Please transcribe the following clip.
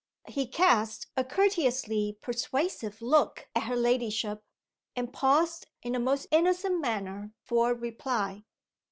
He cast a courteously persuasive look at her ladyship, and paused in the most innocent manner for a reply.